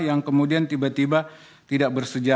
yang kemudian tiba tiba tidak bersedia